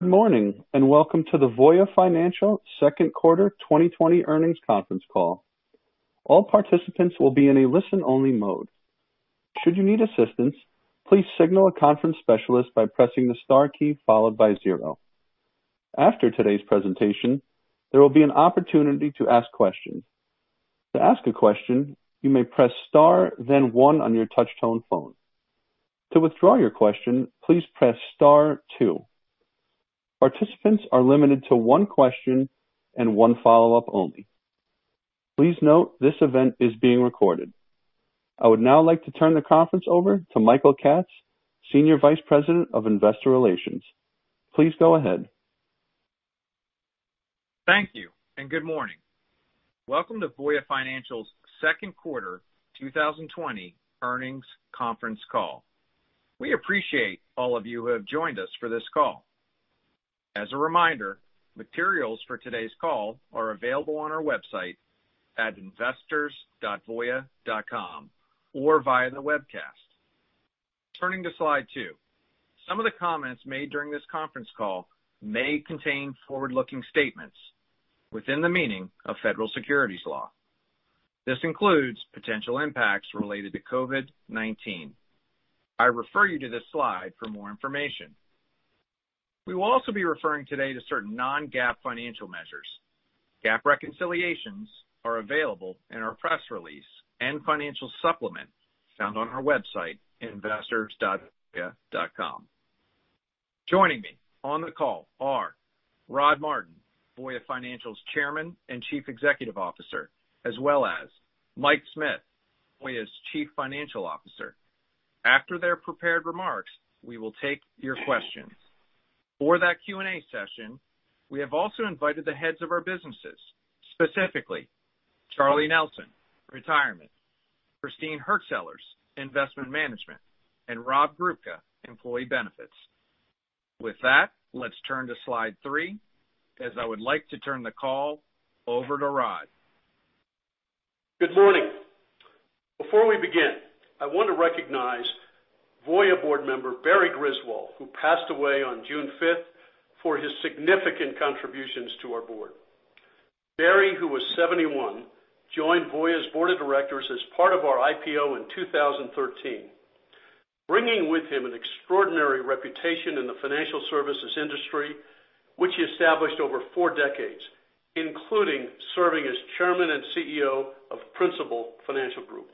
Good morning, and welcome to the Voya Financial second quarter 2020 earnings conference call. All participants will be in a listen-only mode. Should you need assistance, please signal a conference specialist by pressing the star key followed by zero. After today's presentation, there will be an opportunity to ask questions. To ask a question, you may press star then one on your touch-tone phone. To withdraw your question, please press star two. Participants are limited to one question and one follow-up only. Please note this event is being recorded. I would now like to turn the conference over to Michael Katz, Senior Vice President of Investor Relations. Please go ahead. Thank you, and good morning. Welcome to Voya Financial's second quarter 2020 earnings conference call. We appreciate all of you who have joined us for this call. As a reminder, materials for today's call are available on our website at investors.voya.com or via the webcast. Turning to slide two. Some of the comments made during this conference call may contain forward-looking statements within the meaning of Federal Securities Law. This includes potential impacts related to COVID-19. I refer you to this slide for more information. We will also be referring today to certain non-GAAP financial measures. GAAP reconciliations are available in our press release and financial supplement found on our website, investors.voya.com. Joining me on the call are Rod Martin, Voya Financial's Chairman and Chief Executive Officer, as well as Mike Smith, Voya's Chief Financial Officer. After their prepared remarks, we will take your questions. For that Q&A session, we have also invited the heads of our businesses, specifically Charlie Nelson, Retirement, Christine Hurtsellers, Investment Management, and Rob Grubka, Employee Benefits. With that, let's turn to slide three, as I would like to turn the call over to Rod. Good morning. Before we begin, I want to recognize Voya board member, Barry Griswold, who passed away on June fifth, for his significant contributions to our board. Barry, who was 71, joined Voya's board of directors as part of our IPO in 2013, bringing with him an extraordinary reputation in the financial services industry, which he established over four decades, including serving as Chairman and CEO of Principal Financial Group.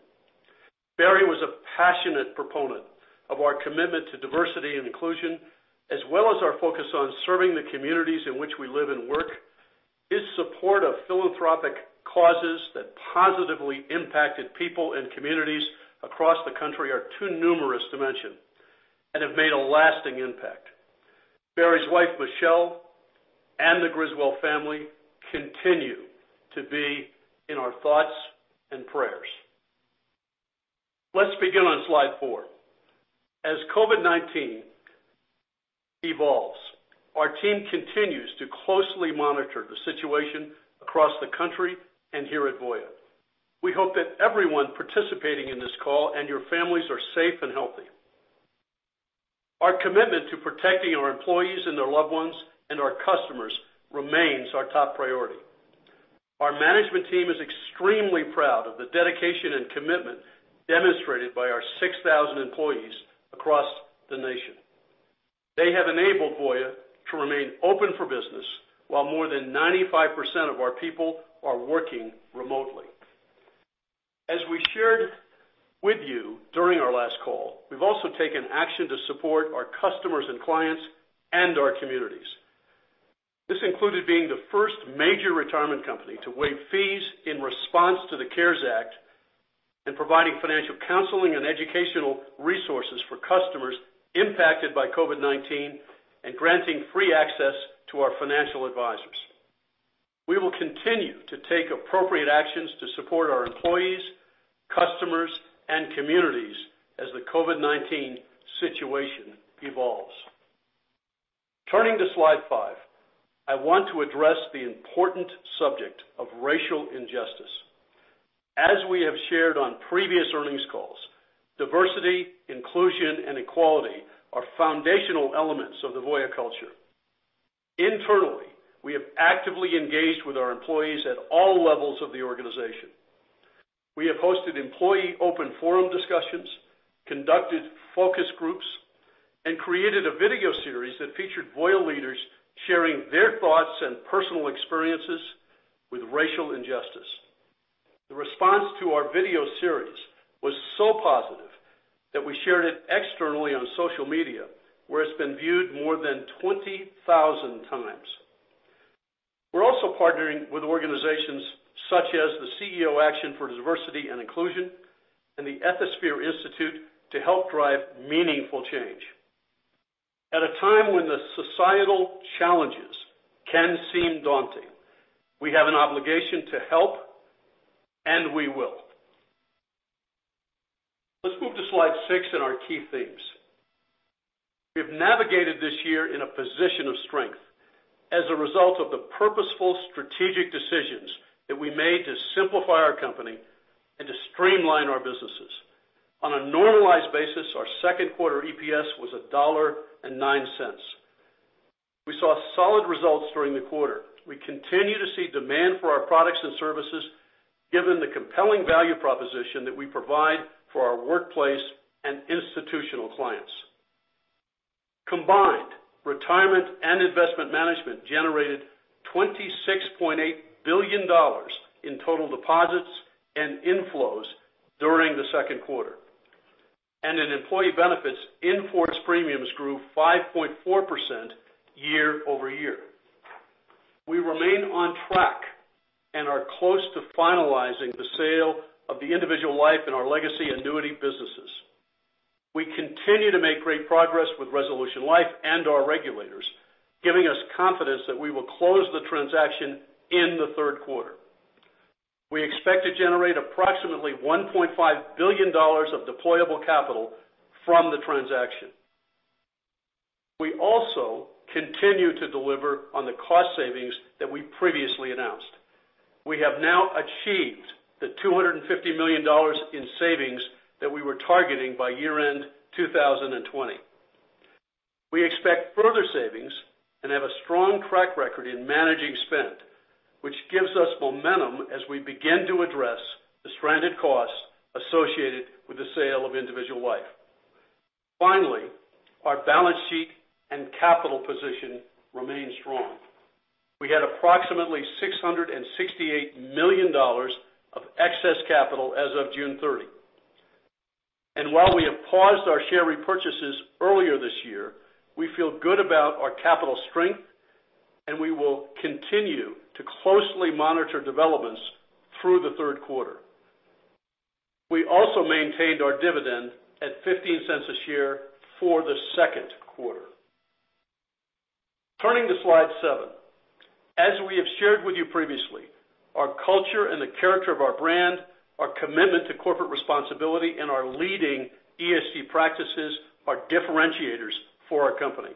Barry was a passionate proponent of our commitment to diversity and inclusion, as well as our focus on serving the communities in which we live and work. His support of philanthropic causes that positively impacted people and communities across the country are too numerous to mention and have made a lasting impact. Barry's wife, Michelle, and the Griswold family continue to be in our thoughts and prayers. Let's begin on slide four. As COVID-19 evolves, our team continues to closely monitor the situation across the country and here at Voya. We hope that everyone participating in this call and your families are safe and healthy. Our commitment to protecting our employees and their loved ones and our customers remains our top priority. Our management team is extremely proud of the dedication and commitment demonstrated by our 6,000 employees across the nation. They have enabled Voya to remain open for business while more than 95% of our people are working remotely. As we shared with you during our last call, we've also taken action to support our customers and clients and our communities. This included being the first major Retirement company to waive fees in response to the CARES Act and providing financial counseling and educational resources for customers impacted by COVID-19 and granting free access to our financial advisors. We will continue to take appropriate actions to support our employees, customers, and communities as the COVID-19 situation evolves. Turning to slide five, I want to address the important subject of racial injustice. As we have shared on previous earnings calls, diversity, inclusion, and equality are foundational elements of the Voya culture. Internally, we have actively engaged with our employees at all levels of the organization. We have hosted employee open forum discussions, conducted focus groups, and created a video series that featured Voya leaders sharing their thoughts and personal experiences with racial injustice. The response to our video series was so positive that we shared it externally on social media, where it's been viewed more than 20,000 times. We're also partnering with organizations such as the CEO Action for Diversity & Inclusion and the Ethisphere Institute to help drive meaningful change. At a time when the societal challenges can seem daunting, we have an obligation to help, and we will. Let's move to slide six and our key themes. We have navigated this year in a position of strength. As a result of the purposeful strategic decisions that we made to simplify our company and to streamline our businesses. On a normalized basis, our second quarter EPS was $1.09. We saw solid results during the quarter. We continue to see demand for our products and services given the compelling value proposition that we provide for our workplace and institutional clients. Combined, Retirement and Investment Management generated $26.8 billion in total deposits and inflows during the second quarter. In Employee Benefits, in-force premiums grew 5.4% year-over-year. We remain on track and are close to finalizing the sale of the individual life and our legacy annuity businesses. We continue to make great progress with Resolution Life and our regulators, giving us confidence that we will close the transaction in the third quarter. We expect to generate approximately $1.5 billion of deployable capital from the transaction. We also continue to deliver on the cost savings that we previously announced. We have now achieved the $250 million in savings that we were targeting by year-end 2020. We expect further savings and have a strong track record in managing spend, which gives us momentum as we begin to address the stranded costs associated with the sale of individual life. Finally, our balance sheet and capital position remain strong. We had approximately $668 million of excess capital as of June 30. While we have paused our share repurchases earlier this year, we feel good about our capital strength, and we will continue to closely monitor developments through the third quarter. We also maintained our dividend at $0.15 a share for the second quarter. Turning to slide seven. As we have shared with you previously, our culture and the character of our brand, our commitment to corporate responsibility, and our leading ESG practices are differentiators for our company.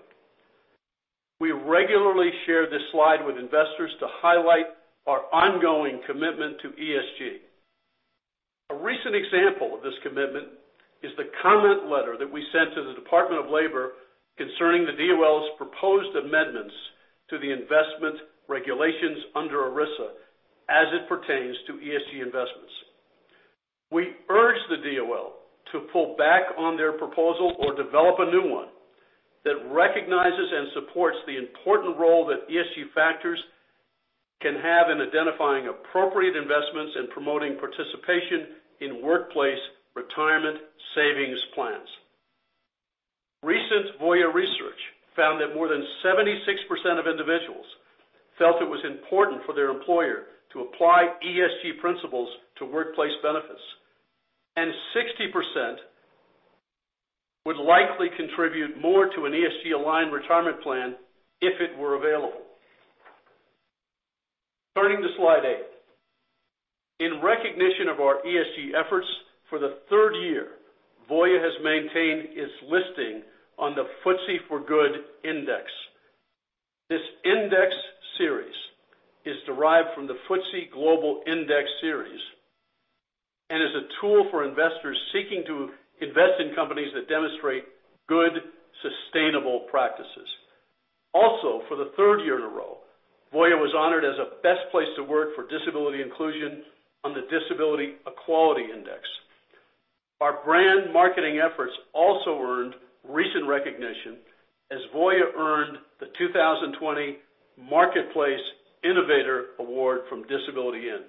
We regularly share this slide with investors to highlight our ongoing commitment to ESG. A recent example of this commitment is the comment letter that we sent to the Department of Labor concerning the DOL's proposed amendments to the investment regulations under ERISA as it pertains to ESG investments. We urge the DOL to pull back on their proposal or develop a new one that recognizes and supports the important role that ESG factors can have in identifying appropriate investments and promoting participation in workplace retirement savings plans. Recent Voya research found that more than 76% of individuals felt it was important for their employer to apply ESG principles to workplace benefits, and 60% would likely contribute more to an ESG-aligned retirement plan if it were available. Turning to slide eight. In recognition of our ESG efforts, for the third year, Voya has maintained its listing on the FTSE4Good Index. This index series is derived from the FTSE Global Index Series and is a tool for investors seeking to invest in companies that demonstrate good, sustainable practices. Also, for the third year in a row, Voya was honored as a best place to work for disability inclusion on the Disability Equality Index. Our brand marketing efforts also earned recent recognition as Voya earned the 2020 Marketplace Innovator Award from Disability:IN.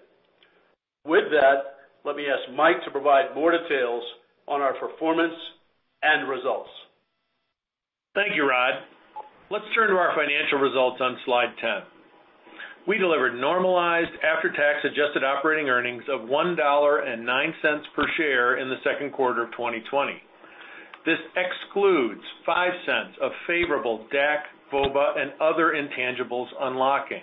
With that, let me ask Mike to provide more details on our performance and results. Thank you, Rod. Let's turn to our financial results on slide 10. We delivered normalized after-tax adjusted operating earnings of $1.09 per share in the second quarter of 2020. This excludes $0.05 of favorable DAC, VOBA, and other intangibles unlocking.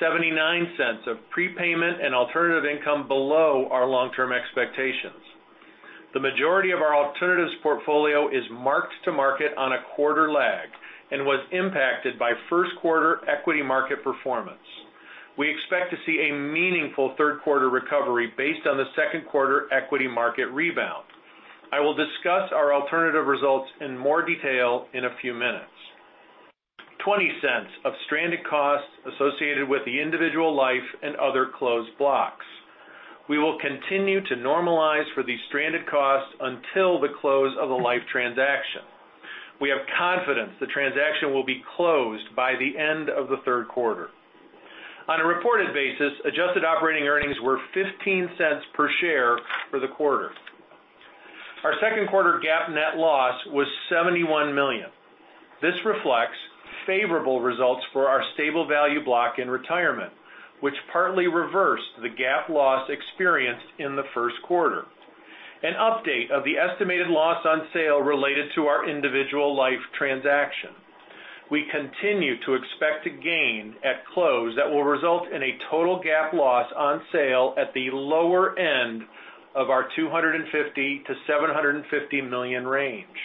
$0.79 of prepayment and alternative income below our long-term expectations. The majority of our alternatives portfolio is marked to market on a quarter lag and was impacted by first quarter equity market performance. We expect to see a meaningful third quarter recovery based on the second quarter equity market rebound. I will discuss our alternative results in more detail in a few minutes. $0.20 of stranded costs associated with the individual life and other closed blocks. We will continue to normalize for these stranded costs until the close of the life transaction. We have confidence the transaction will be closed by the end of the third quarter. On a reported basis, adjusted operating earnings were $0.15 per share for the quarter. Our second quarter GAAP net loss was $71 million. This reflects favorable results for our stable value block in retirement, which partly reversed the GAAP loss experienced in the first quarter, an update of the estimated loss on sale related to our individual life transaction. We continue to expect a gain at close that will result in a total GAAP loss on sale at the lower end of our $250 million-$750 million range.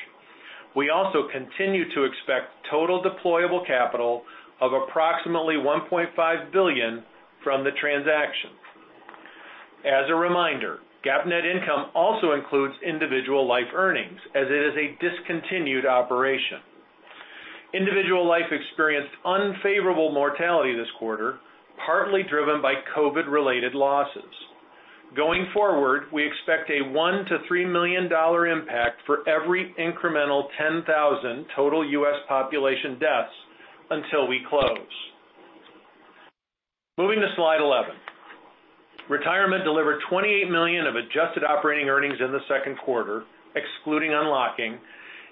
We also continue to expect total deployable capital of approximately $1.5 billion from the transaction. As a reminder, GAAP net income also includes individual life earnings, as it is a discontinued operation. Individual life experienced unfavorable mortality this quarter, partly driven by COVID-related losses. Going forward, we expect a $1 million-$3 million impact for every incremental 10,000 total U.S. population deaths until we close. Moving to slide 11. Retirement delivered $28 million of adjusted operating earnings in the second quarter, excluding unlocking,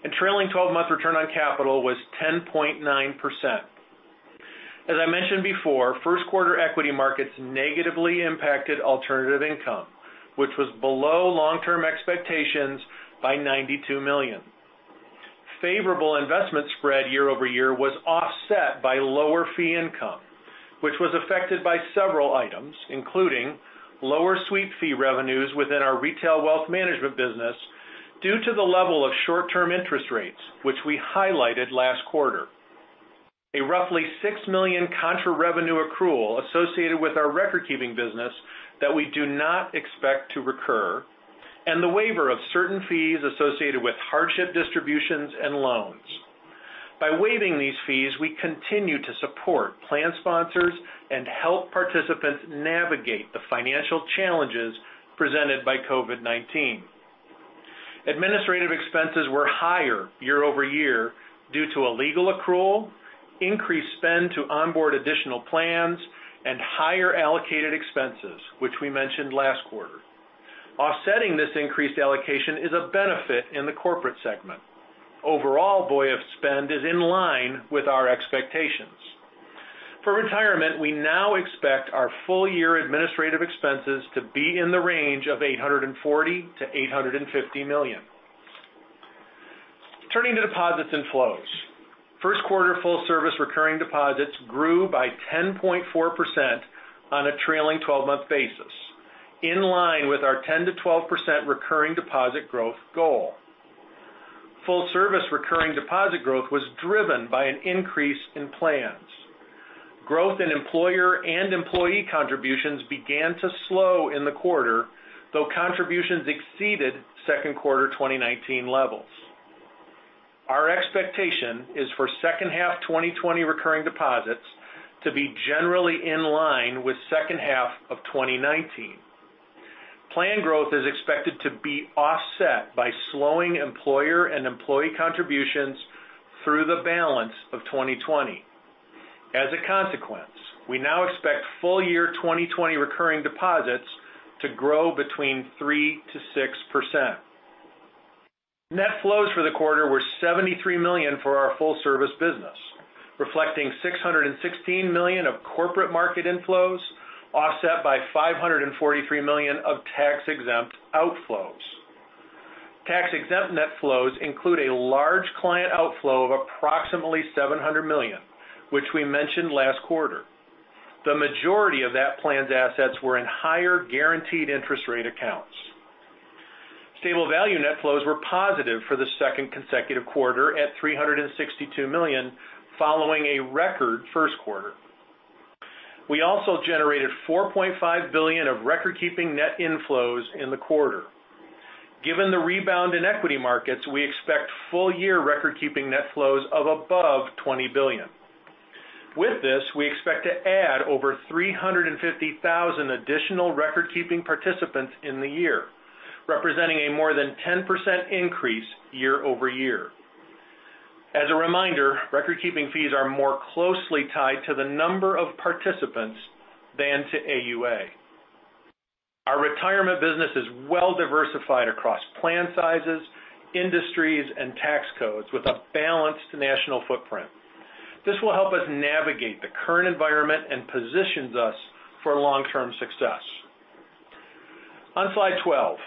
and trailing 12-month return on capital was 10.9%. As I mentioned before, first quarter equity markets negatively impacted alternative income, which was below long-term expectations by $92 million. Favorable investment spread year-over-year was offset by lower fee income, which was affected by several items, including lower sweep fee revenues within our retail wealth management business due to the level of short-term interest rates, which we highlighted last quarter, a roughly $6 million contra revenue accrual associated with our recordkeeping business that we do not expect to recur, and the waiver of certain fees associated with hardship distributions and loans. By waiving these fees, we continue to support plan sponsors and help participants navigate the financial challenges presented by COVID-19. Administrative expenses were higher year-over-year due to a legal accrual, increased spend to onboard additional plans, and higher allocated expenses, which we mentioned last quarter. Offsetting this increased allocation is a benefit in the corporate segment. Overall, Voya spend is in line with our expectations. For retirement, we now expect our full year administrative expenses to be in the range of $840 million-$850 million. Turning to deposits and flows. First quarter full service recurring deposits grew by 10.4% on a trailing 12-month basis, in line with our 10%-12% recurring deposit growth goal. Full service recurring deposit growth was driven by an increase in plans. Growth in employer and employee contributions began to slow in the quarter, though contributions exceeded second quarter 2019 levels. Our expectation is for second half 2020 recurring deposits to be generally in line with second half of 2019. Plan growth is expected to be offset by slowing employer and employee contributions through the balance of 2020. As a consequence, we now expect full year 2020 recurring deposits to grow between 3%-6%. Net flows for the quarter were $73 million for our full service business, reflecting $616 million of corporate market inflows, offset by $543 million of tax-exempt outflows. Tax-exempt net flows include a large client outflow of approximately $700 million, which we mentioned last quarter. The majority of that plan's assets were in higher guaranteed interest rate accounts. Stable value net flows were positive for the second consecutive quarter at $362 million, following a record first quarter. We also generated $4.5 billion of recordkeeping net inflows in the quarter. Given the rebound in equity markets, we expect full year recordkeeping net flows of above $20 billion. With this, we expect to add over 350,000 additional recordkeeping participants in the year, representing a more than 10% increase year-over-year. As a reminder, recordkeeping fees are more closely tied to the number of participants than to AUA. Our retirement business is well diversified across plan sizes, industries, and tax codes with a balanced national footprint. This will help us navigate the current environment and positions us for long-term success. On slide 12,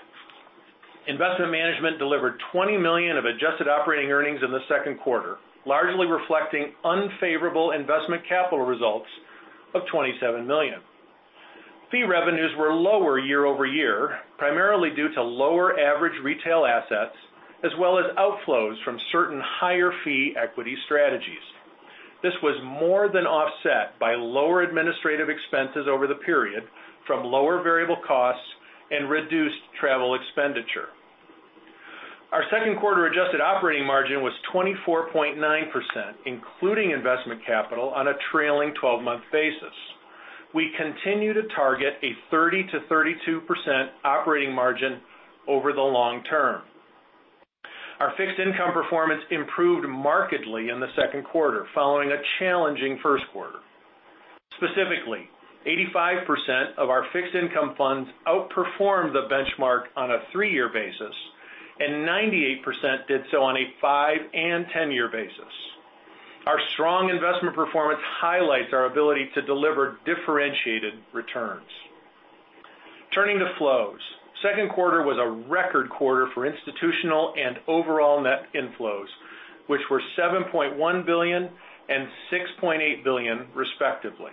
Investment Management delivered $20 million of adjusted operating earnings in the second quarter, largely reflecting unfavorable investment capital results of $27 million. Fee revenues were lower year-over-year, primarily due to lower average retail assets, as well as outflows from certain higher fee equity strategies. This was more than offset by lower administrative expenses over the period from lower variable costs and reduced travel expenditure. Our second quarter adjusted operating margin was 24.9%, including investment capital on a trailing 12-month basis. We continue to target a 30%-32% operating margin over the long term. Our fixed income performance improved markedly in the second quarter, following a challenging first quarter. Specifically, 85% of our fixed income funds outperformed the benchmark on a three-year basis, and 98% did so on a five and 10-year basis. Our strong investment performance highlights our ability to deliver differentiated returns. Turning to flows. Second quarter was a record quarter for institutional and overall net inflows, which were $7.1 billion and $6.8 billion, respectively.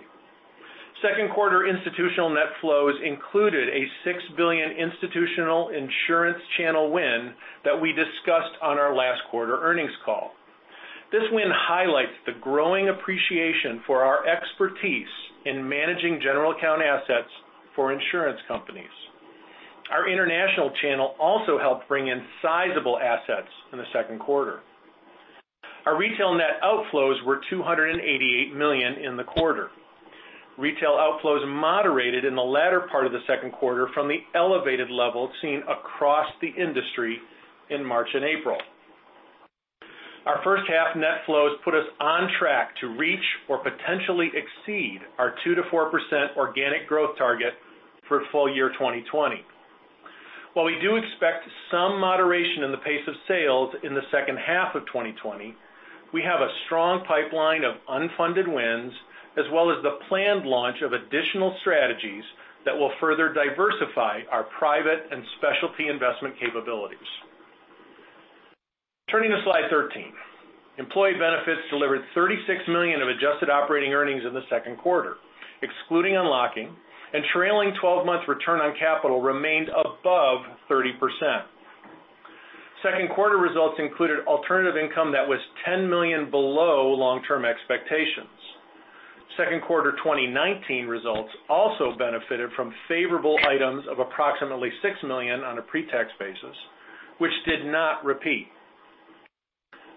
Second quarter institutional net flows included a $6 billion institutional insurance channel win that we discussed on our last quarter earnings call. This win highlights the growing appreciation for our expertise in managing general account assets for insurance companies. Our international channel also helped bring in sizable assets in the second quarter. Our retail net outflows were $288 million in the quarter. Retail outflows moderated in the latter part of the second quarter from the elevated level seen across the industry in March and April. Our first half net flows put us on track to reach or potentially exceed our 2%-4% organic growth target for full year 2020. While we do expect some moderation in the pace of sales in the second half of 2020, we have a strong pipeline of unfunded wins, as well as the planned launch of additional strategies that will further diversify our private and specialty investment capabilities. Turning to slide 13. Employee Benefits delivered $36 million of adjusted operating earnings in the second quarter, excluding unlocking, and trailing 12-month return on capital remained above 30%. Second quarter results included alternative income that was $10 million below long-term expectations. Second quarter 2019 results also benefited from favorable items of approximately $6 million on a pre-tax basis, which did not repeat.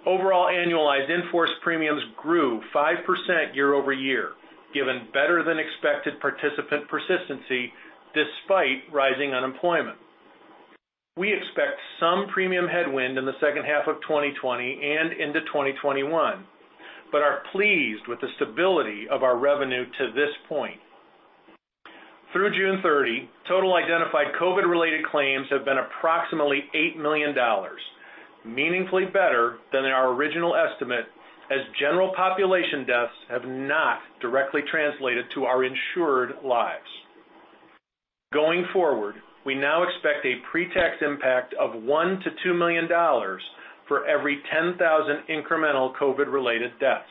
Overall annualized in-force premiums grew 5% year-over-year, given better than expected participant persistency despite rising unemployment. We expect some premium headwind in the second half of 2020 and into 2021, but are pleased with the stability of our revenue to this point. Through June 30, total identified COVID-related claims have been approximately $8 million, meaningfully better than our original estimate as general population deaths have not directly translated to our insured lives. Going forward, we now expect a pre-tax impact of $1 million-$2 million for every 10,000 incremental COVID-related deaths.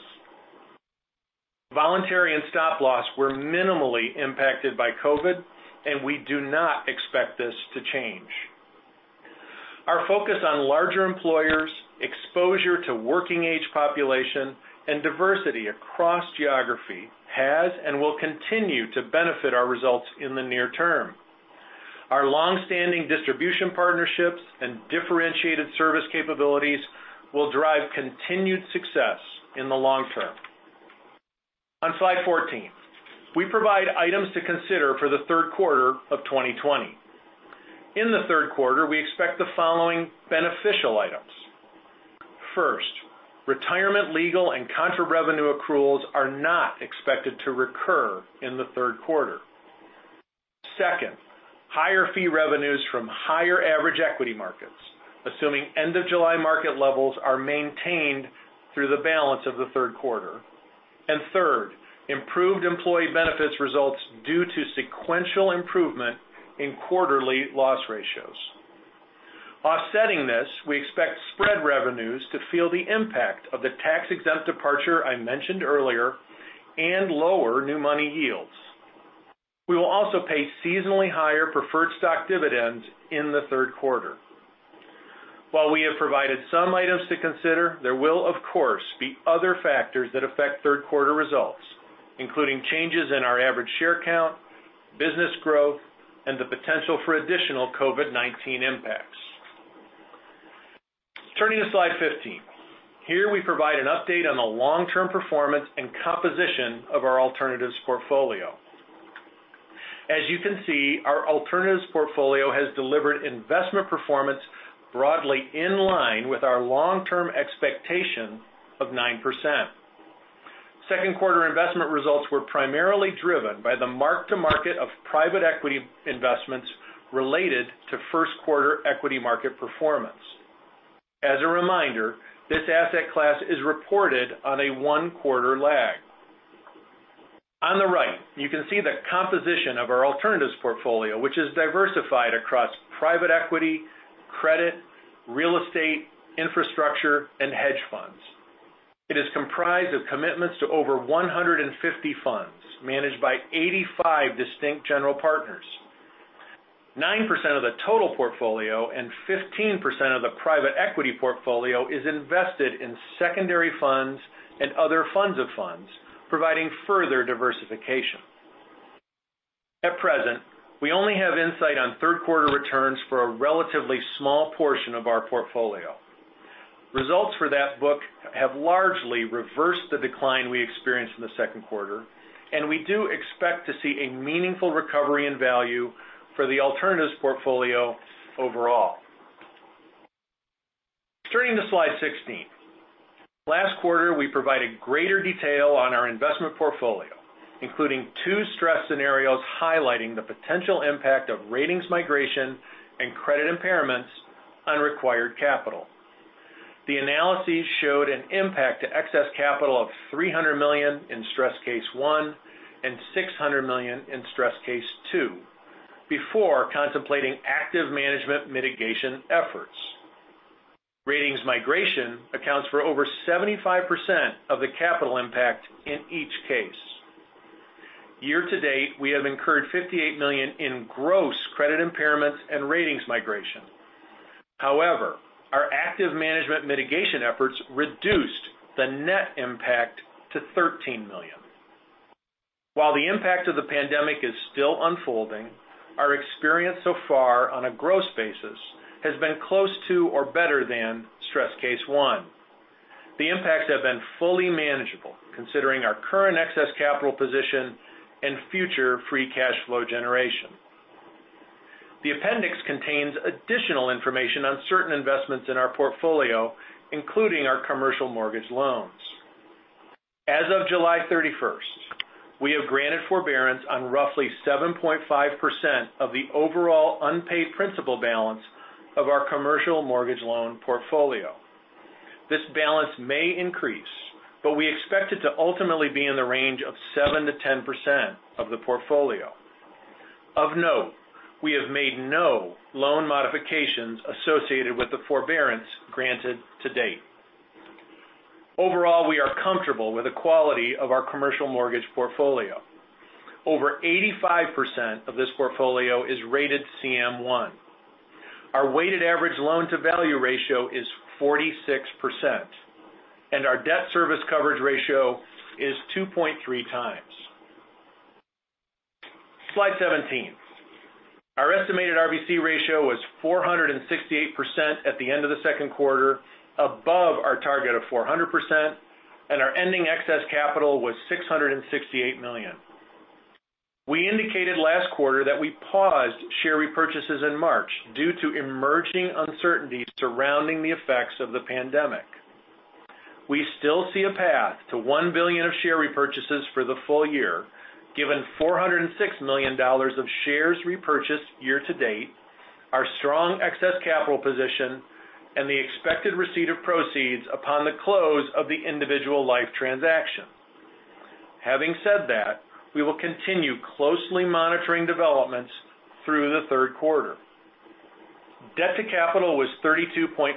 Voluntary and stop loss were minimally impacted by COVID, and we do not expect this to change. Our focus on larger employers, exposure to working age population, and diversity across geography has and will continue to benefit our results in the near term. Our long-standing distribution partnerships and differentiated service capabilities will drive continued success in the long term. On slide 14, we provide items to consider for the third quarter of 2020. In the third quarter, we expect the following beneficial items. First, Retirement legal and contra revenue accruals are not expected to recur in the third quarter. Second, higher fee revenues from higher average equity markets, assuming end of July market levels are maintained through the balance of the third quarter. Third, improved Employee Benefits results due to sequential improvement in quarterly loss ratios. Offsetting this, we expect spread revenues to feel the impact of the tax-exempt departure I mentioned earlier and lower new money yields. We will also pay seasonally higher preferred stock dividends in the third quarter. While we have provided some items to consider, there will, of course, be other factors that affect third quarter results, including changes in our average share count, business growth, and the potential for additional COVID-19 impacts. Turning to slide 15. Here we provide an update on the long-term performance and composition of our alternatives portfolio. As you can see, our alternatives portfolio has delivered investment performance broadly in line with our long-term expectation of 9%. Second quarter investment results were primarily driven by the mark to market of private equity investments related to first quarter equity market performance. As a reminder, this asset class is reported on a one-quarter lag. On the right, you can see the composition of our alternatives portfolio, which is diversified across private equity, credit, real estate, infrastructure, and hedge funds. It is comprised of commitments to over 150 funds managed by 85 distinct general partners. 9% of the total portfolio and 15% of the private equity portfolio is invested in secondary funds and other funds of funds, providing further diversification. At present, we only have insight on third quarter returns for a relatively small portion of our portfolio. Results for that book have largely reversed the decline we experienced in the second quarter, and we do expect to see a meaningful recovery in value for the alternatives portfolio overall. Turning to slide 16. Last quarter, we provided greater detail on our investment portfolio, including two stress scenarios highlighting the potential impact of ratings migration and credit impairments on required capital. The analyses showed an impact to excess capital of $300 million in stress case 1 and $600 million in stress case 2 before contemplating active management mitigation efforts. Ratings migration accounts for over 75% of the capital impact in each case. Year to date, we have incurred $58 million in gross credit impairments and ratings migration. However, our active management mitigation efforts reduced the net impact to $13 million. While the impact of the pandemic is still unfolding, our experience so far on a gross basis has been close to or better than stress case 1. The impacts have been fully manageable considering our current excess capital position and future free cash flow generation. The appendix contains additional information on certain investments in our portfolio, including our commercial mortgage loans. As of July 31st, we have granted forbearance on roughly 7.5% of the overall unpaid principal balance of our commercial mortgage loan portfolio. This balance may increase, but we expect it to ultimately be in the range of 7%-10% of the portfolio. Of note, we have made no loan modifications associated with the forbearance granted to date. Overall, we are comfortable with the quality of our commercial mortgage portfolio. Over 85% of this portfolio is rated CM1. Our weighted average loan-to-value ratio is 46%, and our debt service coverage ratio is 2.3 times. Slide 17. Our estimated RBC ratio was 468% at the end of the second quarter, above our target of 400%, and our ending excess capital was $668 million. We indicated last quarter that we paused share repurchases in March due to emerging uncertainty surrounding the effects of the pandemic. We still see a path to $1 billion of share repurchases for the full year, given $406 million of shares repurchased year to date, our strong excess capital position, and the expected receipt of proceeds upon the close of the Individual Life transaction. Having said that, we will continue closely monitoring developments through the third quarter. Debt to capital was 32.4%.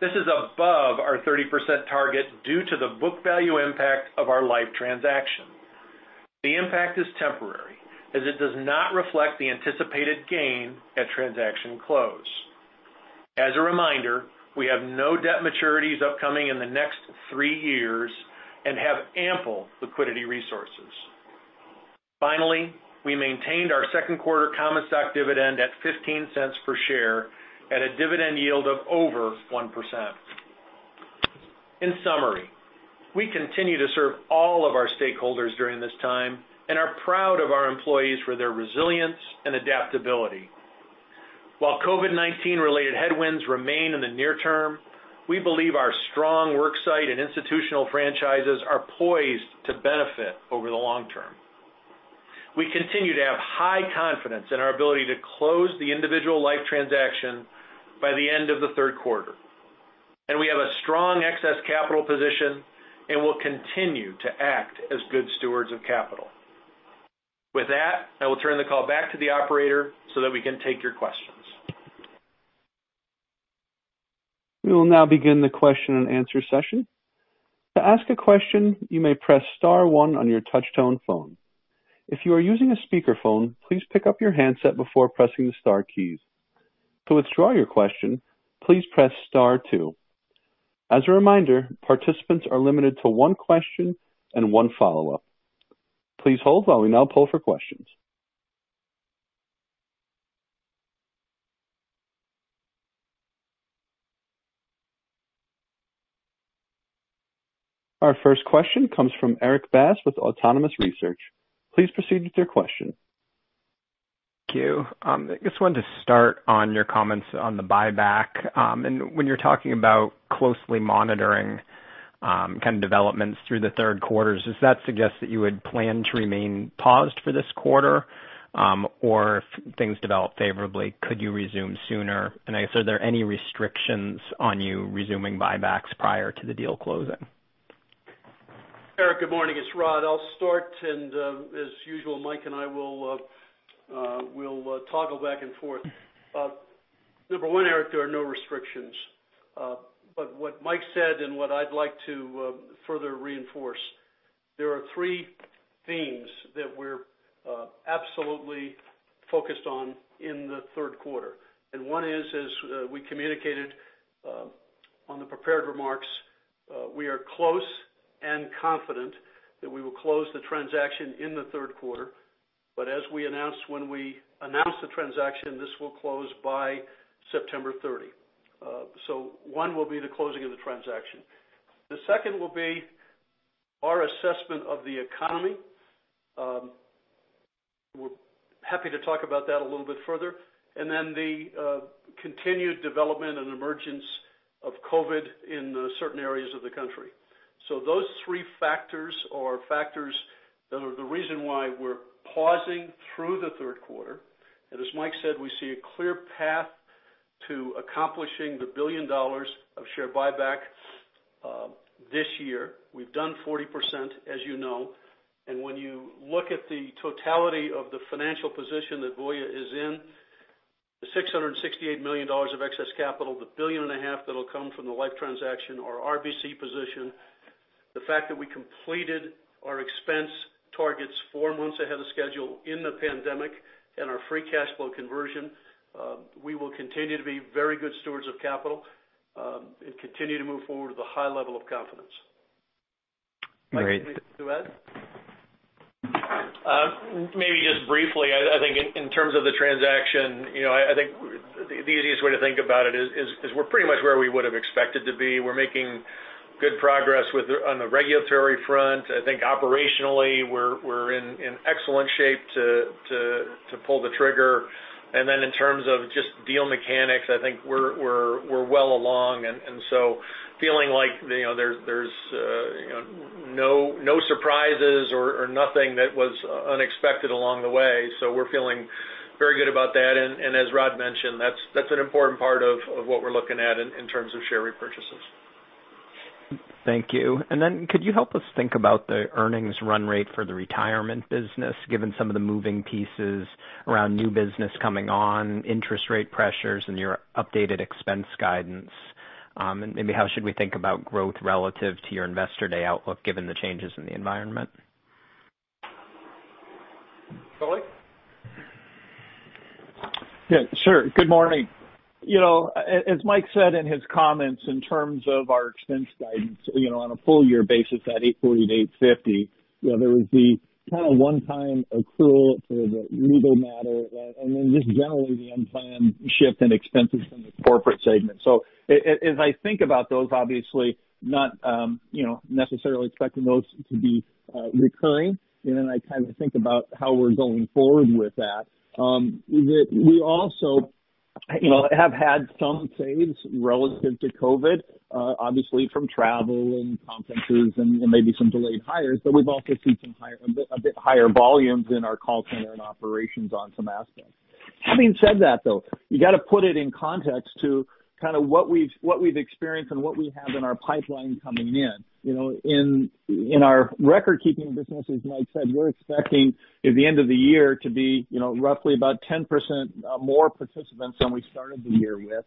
This is above our 30% target due to the book value impact of our life transaction. The impact is temporary as it does not reflect the anticipated gain at transaction close. As a reminder, we have no debt maturities upcoming in the next three years and have ample liquidity resources. We maintained our second quarter common stock dividend at $0.15 per share at a dividend yield of over 1%. In summary, we continue to serve all of our stakeholders during this time and are proud of our employees for their resilience and adaptability. While COVID-19 related headwinds remain in the near term, we believe our strong work site and institutional franchises are poised to benefit over the long term. We continue to have high confidence in our ability to close the Individual Life transaction by the end of the third quarter. We have a strong excess capital position and will continue to act as good stewards of capital. With that, I will turn the call back to the operator so that we can take your questions. We will now begin the question and answer session. To ask a question, you may press *1 on your touchtone phone. If you are using a speakerphone, please pick up your handset before pressing the star keys. To withdraw your question, please press *2. As a reminder, participants are limited to one question and one follow-up. Please hold while we now poll for questions. Our first question comes from Erik Bass with Autonomous Research. Please proceed with your question. Thank you. I just wanted to start on your comments on the buyback. When you're talking about closely monitoring kind of developments through the third quarters, does that suggest that you would plan to remain paused for this quarter? If things develop favorably, could you resume sooner? I guess, are there any restrictions on you resuming buybacks prior to the deal closing? Erik, good morning. It's Rod. I'll start and as usual, Michael and I will toggle back and forth. Number 1, Erik, there are no restrictions. What Michael said and what I'd like to further reinforce, there are 3 themes that we're absolutely focused on in the third quarter. 1 is, as we communicated on the prepared remarks, we are close and confident that we will close the transaction in the third quarter. As we announced when we announced the transaction, this will close by September 30. So 1 will be the closing of the transaction. The second will be our assessment of the economy. We're happy to talk about that a little bit further. The continued development and emergence of COVID-19 in certain areas of the country. Those 3 factors are factors that are the reason why we're pausing through the third quarter. As Michael said, we see a clear path to accomplishing the $1 billion of share buyback this year. We've done 40%, as you know, when you look at the totality of the financial position that Voya Financial is in, the $668 million of excess capital, the $1.5 billion that'll come from the life transaction, our RBC position, the fact that we completed our expense targets 4 months ahead of schedule in the pandemic, our free cash flow conversion, we will continue to be very good stewards of capital, and continue to move forward with a high level of confidence. Great. Michael, anything to add? Maybe just briefly. I think in terms of the transaction, I think the easiest way to think about it is we're pretty much where we would've expected to be. We're making good progress on the regulatory front. I think operationally, we're in excellent shape to pull the trigger. In terms of just deal mechanics, I think we're well along, feeling like there's no surprises or nothing that was unexpected along the way. We're feeling very good about that, and as Rod mentioned, that's an important part of what we're looking at in terms of share repurchases. Thank you. Could you help us think about the earnings run rate for the Retirement business, given some of the moving pieces around new business coming on, interest rate pressures, and your updated expense guidance? Maybe how should we think about growth relative to your Investor Day outlook, given the changes in the environment? Charlie? Yeah, sure. Good morning. As Mike said in his comments, in terms of our expense guidance on a full year basis at $840 million-$850 million, there was the kind of one-time accrual for the legal matter, and then just generally the unplanned shift in expenses from the corporate segment. As I think about those, obviously not necessarily expecting those to be recurring, I kind of think about how we're going forward with that, we also have had some saves relative to COVID, obviously from travel and conferences and maybe some delayed hires. We've also seen a bit higher volumes in our call center and operations on some aspects. Having said that, though, you got to put it in context to kind of what we've experienced and what we have in our pipeline coming in. In our record keeping business, as Mike said, we're expecting at the end of the year to be roughly about 10% more participants than we started the year with.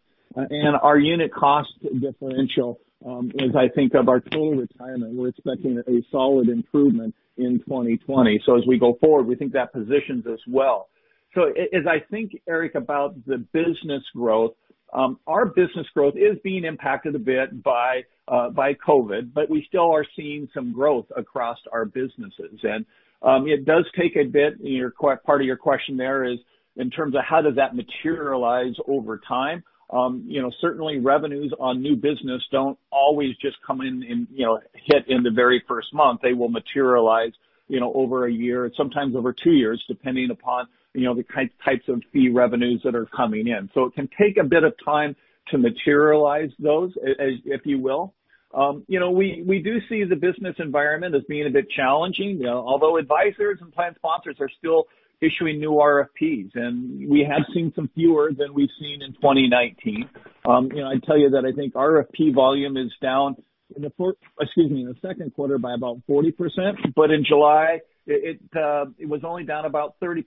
Our unit cost differential as I think of our total Retirement, we're expecting a solid improvement in 2020. As we go forward, we think that positions us well. As I think, Erik, about the business growth, our business growth is being impacted a bit by COVID, we still are seeing some growth across our businesses. It does take a bit, part of your question there is in terms of how does that materialize over time? Certainly revenues on new business don't always just come in and hit in the very first month. They will materialize over a year, sometimes over two years, depending upon the types of fee revenues that are coming in. It can take a bit of time to materialize those, if you will. We do see the business environment as being a bit challenging, although advisors and plan sponsors are still issuing new RFPs, and we have seen some fewer than we've seen in 2019. I'd tell you that I think RFP volume is down in the first, excuse me, in the second quarter by about 40%, but in July it was only down about 30%.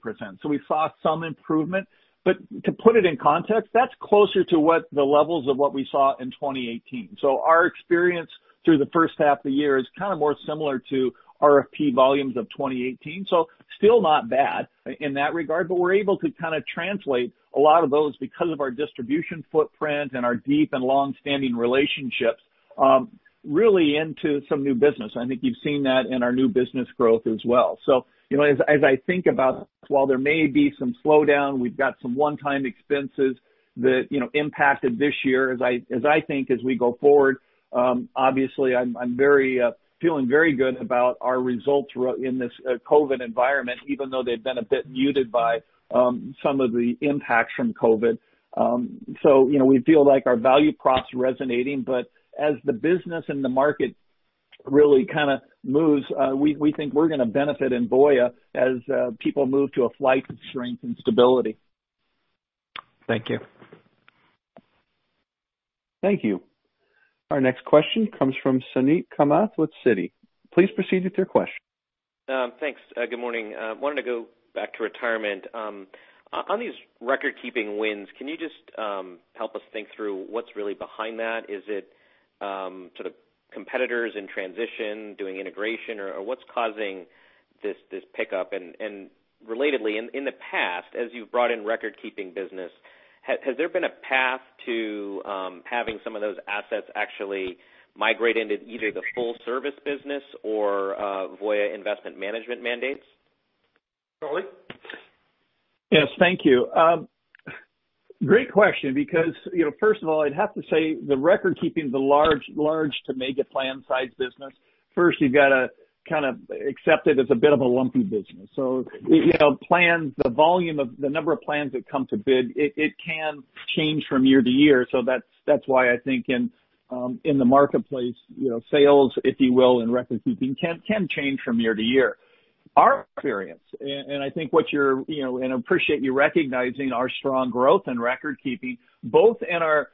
We saw some improvement. To put it in context, that's closer to what the levels of what we saw in 2018. Our experience through the first half of the year is kind of more similar to RFP volumes of 2018, so still not bad in that regard, but we're able to kind of translate a lot of those because of our distribution footprint and our deep and long-standing relationships, really into some new business. I think you've seen that in our new business growth as well. As I think about while there may be some slowdown, we've got some one-time expenses that impacted this year as I think as we go forward, obviously I'm feeling very good about our results in this COVID environment, even though they've been a bit muted by some of the impacts from COVID. We feel like our value prop's resonating, but as the business and the market really kind of moves, we think we're going to benefit in Voya as people move to a flight to strength and stability. Thank you. Thank you. Our next question comes from Suneet Kamath with Citi. Please proceed with your question. Thanks. Good morning. Wanted to go back to Retirement. On these record-keeping wins, can you just help us think through what's really behind that? Is it sort of competitors in transition doing integration, or what's causing this pickup? Relatedly, in the past, as you've brought in record-keeping business, has there been a path to having some of those assets actually migrate into either the full service business or Voya Investment Management mandates? Charlie? Yes, thank you. Great question because first of all, I'd have to say the record keeping's a large to mega plan size business. First, you've got to kind of accept it as a bit of a lumpy business. The number of plans that come to bid, it can change from year to year, that's why I think in the marketplace, sales, if you will, in record keeping can change from year to year. Our experience, appreciate you recognizing our strong growth and record keeping, both in our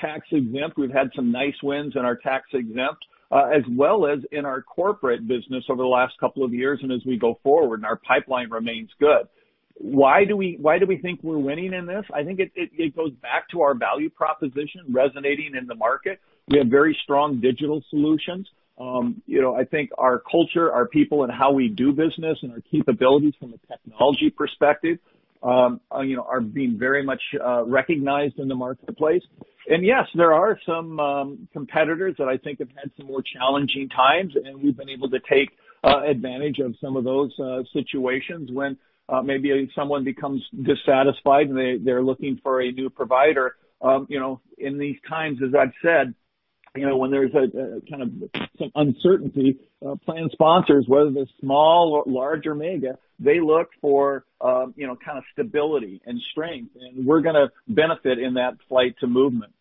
tax-exempt. We've had some nice wins in our tax-exempt, as well as in our corporate business over the last couple of years, as we go forward, and our pipeline remains good. Why do we think we're winning in this? I think it goes back to our value proposition resonating in the market. We have very strong digital solutions. I think our culture, our people, and how we do business, and our capabilities from a technology perspective are being very much recognized in the marketplace. Yes, there are some competitors that I think have had some more challenging times, and we've been able to take advantage of some of those situations when maybe someone becomes dissatisfied and they're looking for a new provider. In these times, as I've said, when there's some uncertainty, plan sponsors, whether they're small or large or mega, they look for stability and strength, and we're going to benefit in that flight to movement.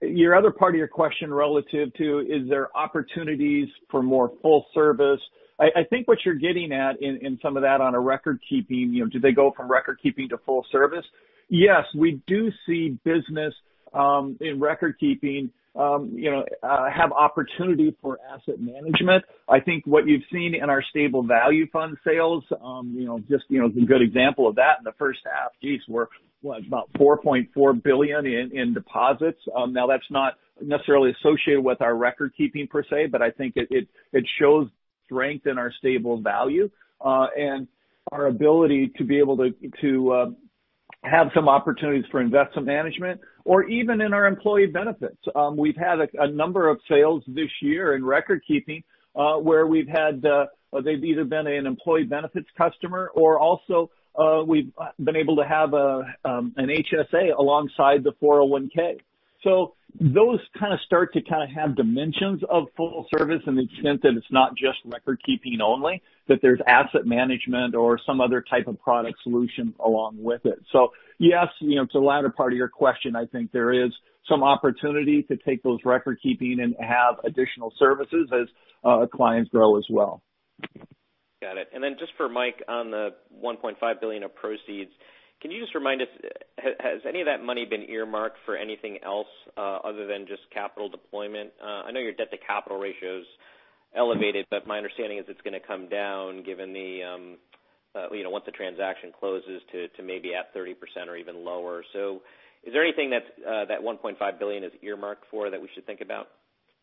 Your other part of your question relative to is there opportunities for more full service? I think what you're getting at in some of that on a record keeping, do they go from record keeping to full service? Yes. We do see business in recordkeeping have opportunity for asset management. I think what you've seen in our stable value fund sales, just a good example of that in the first half, geez, we're what? About $4.4 billion in deposits. That's not necessarily associated with our recordkeeping per se, but I think it shows strength in our stable value. Our ability to be able to have some opportunities for Investment Management or even in our Employee Benefits. We've had a number of sales this year in recordkeeping, where they've either been an Employee Benefits customer or also, we've been able to have an HSA alongside the 401. Those kind of start to have dimensions of full service in the sense that it's not just recordkeeping only, that there's asset management or some other type of product solution along with it. Yes, to the latter part of your question, I think there is some opportunity to take those recordkeeping and have additional services as clients grow as well. Got it. Just for Mike, on the $1.5 billion of proceeds, can you just remind us, has any of that money been earmarked for anything else other than just capital deployment? I know your debt to capital ratio is elevated, but my understanding is it's going to come down given once the transaction closes to maybe at 30% or even lower. Is there anything that $1.5 billion is earmarked for that we should think about?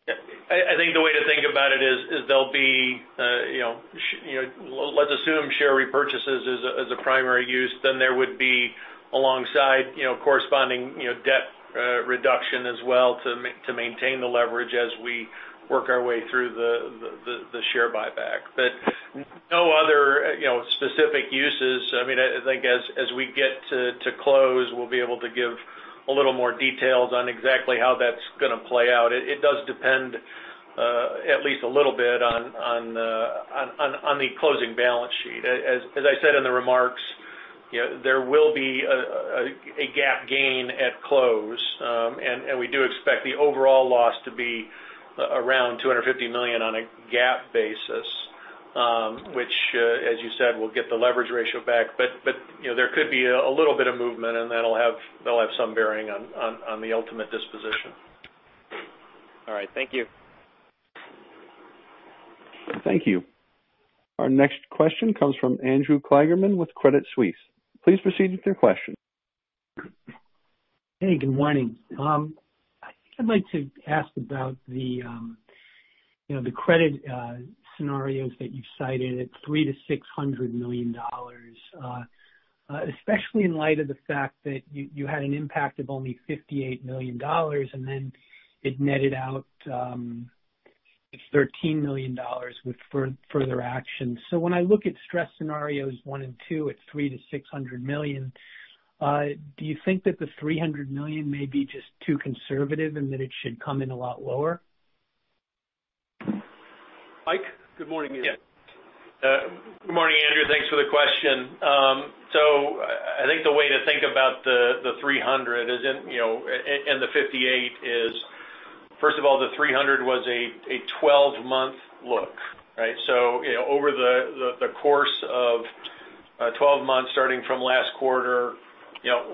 Yeah. I think the way to think about it is there'll be let's assume share repurchases as a primary use. There would be alongside, corresponding debt reduction as well to maintain the leverage as we work our way through the share buyback. No other specific uses. I think as we get to close, we'll be able to give a little more details on exactly how that's going to play out. It does depend at least a little bit on the closing balance sheet. As I said in the remarks, there will be a GAAP gain at close. We do expect the overall loss to be around $250 million on a GAAP basis, which, as you said, will get the leverage ratio back. There could be a little bit of movement, and that'll have some bearing on the ultimate disposition. All right. Thank you. Thank you. Our next question comes from Andrew Kligerman with Crédit Suisse. Please proceed with your question. Hey, good morning. I think I'd like to ask about the credit scenarios that you've cited at $300 million-$600 million, especially in light of the fact that you had an impact of only $58 million, and then it netted out to $13 million with further action. When I look at stress scenarios 1 and 2 at $300 million-$600 million, do you think that the $300 million may be just too conservative and that it should come in a lot lower? Mike? Good morning. Good morning, Andrew. Thanks for the question. I think the way to think about the 300 and the 58 is, first of all, the 300 was a 12-month look, right? Over the course of 12 months, starting from last quarter,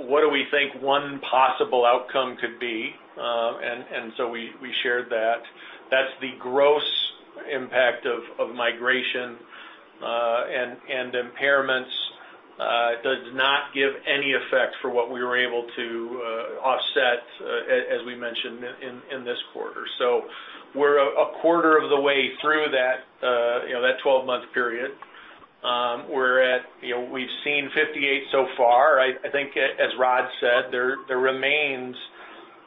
what do we think one possible outcome could be? We shared that. That's the gross impact of migration, and impairments does not give any effect for what we were able to offset, as we mentioned in this quarter. We're a quarter of the way through that 12-month period. We've seen 58 so far. I think as Rod said, there remains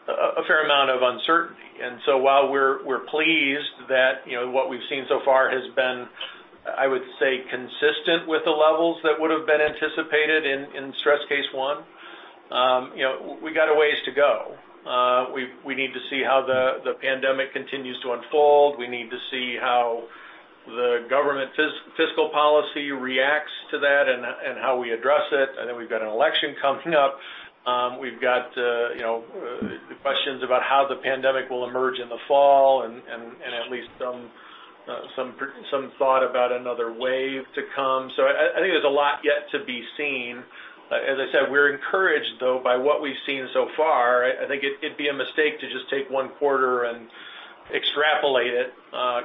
a fair amount of uncertainty. While we're pleased that what we've seen so far has been, I would say, consistent with the levels that would have been anticipated in stress case 1, we got a ways to go. We need to see how the pandemic continues to unfold. We need to see how the government fiscal policy reacts to that and how we address it. And then we've got an election coming up. We've got questions about how the pandemic will emerge in the fall and at least some thought about another wave to come. So I think there's a lot yet to be seen. As I said, we're encouraged though, by what we've seen so far. I think it'd be a mistake to just take one quarter and extrapolate it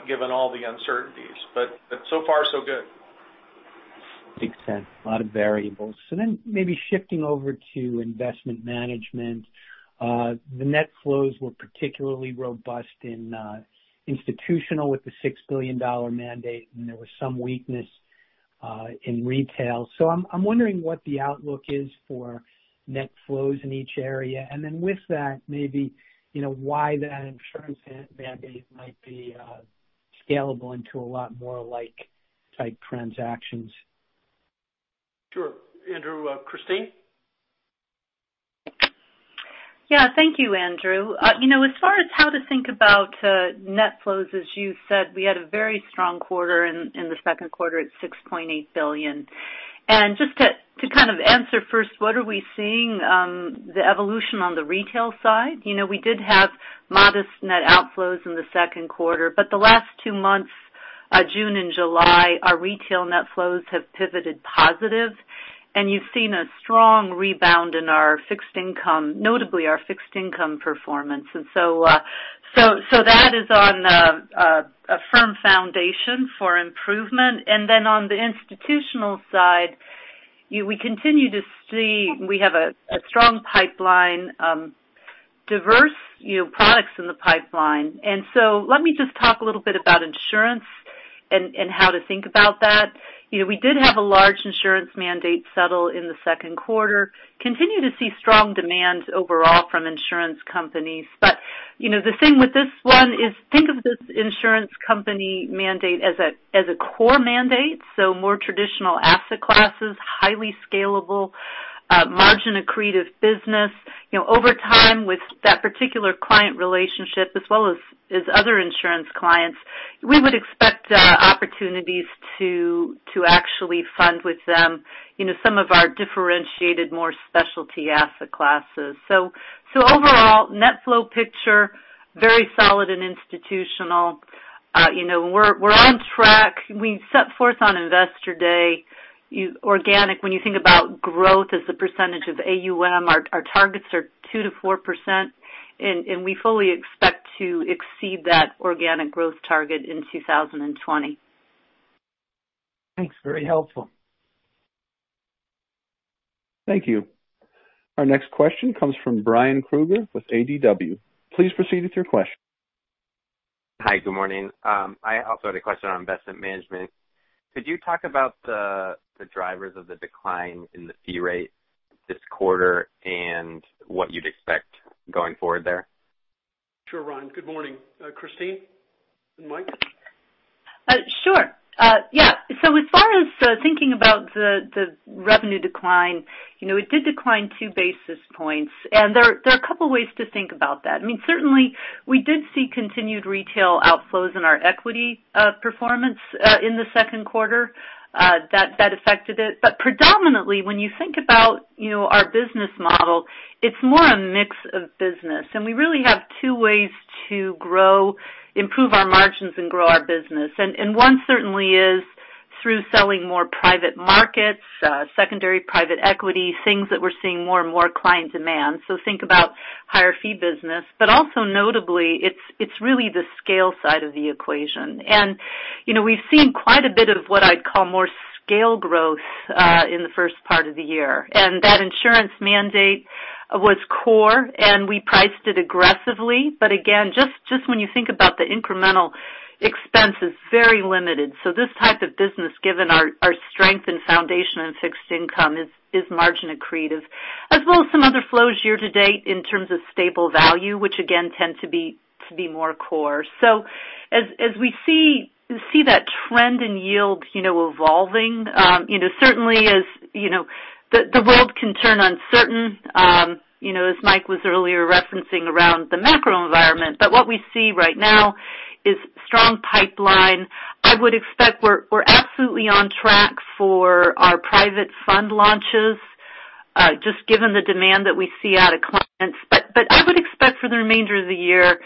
given all the uncertainties. But so far so good. We need to see how the pandemic continues to unfold. We need to see how the government fiscal policy reacts to that and how we address it. We've got an election coming up. We've got questions about how the pandemic will emerge in the fall and at least some thought about another wave to come. I think there's a lot yet to be seen. As I said, we're encouraged though, by what we've seen so far. I think it'd be a mistake to just take one quarter and extrapolate it given all the uncertainties. So far so good. Sure. Andrew, Christine? Yeah. Thank you, Andrew. As far as how to think about net flows, as you said, we had a very strong quarter in the second quarter at $6.8 billion. Just to kind of answer first, what are we seeing, the evolution on the retail side. We did have modest net outflows in the second quarter, but the last two months, June and July, our retail net flows have pivoted positive, and you've seen a strong rebound in our fixed income, notably our fixed income performance. That is on a firm foundation for improvement. On the institutional side, we continue to see we have a strong pipeline, diverse products in the pipeline. Let me just talk a little bit about insurance and how to think about that. We did have a large insurance mandate settle in the second quarter, continue to see strong demand overall from insurance companies. The thing with this one is think of this insurance company mandate as a core mandate, so more traditional asset classes, highly scalable, margin-accretive business. Over time with that particular client relationship as well as other insurance clients, we would expect opportunities to actually fund with them some of our differentiated more specialty asset classes. Overall net flow picture, very solid and institutional. We're on track. We set forth on Investor Day, organic, when you think about growth as a percentage of AUM, our targets are 2%-4%, and we fully expect to exceed that organic growth target in 2020. Thanks. Very helpful. Thank you. Our next question comes from Ryan Krueger with KBW. Please proceed with your question. Hi. Good morning. I also had a question on Investment Management. Could you talk about the drivers of the decline in the fee rate this quarter and what you'd expect going forward there? Sure, Ryan. Good morning. Christine and Mike. Sure. Yeah. As far as thinking about the revenue decline, it did decline two basis points, there are a couple of ways to think about that. Certainly, we did see continued retail outflows in our equity performance in the second quarter. That affected it. Predominantly, when you think about our business model, it's more a mix of business, we really have two ways to improve our margins and grow our business. One certainly is through selling more private markets, secondary private equity, things that we're seeing more and more client demand. Think about higher fee business. Also notably, it's really the scale side of the equation. We've seen quite a bit of what I'd call more scale growth in the first part of the year. That insurance mandate was core, we priced it aggressively. Again, just when you think about the incremental expense is very limited. This type of business, given our strength and foundation in fixed income, is margin accretive, as well as some other flows year to date in terms of stable value, which again, tend to be more core. As we see that trend in yield evolving, certainly as the world can turn uncertain as Mike was earlier referencing around the macro environment. What we see right now is strong pipeline. I would expect we're absolutely on track for our private fund launches just given the demand that we see out of clients. I would expect for the remainder of the year,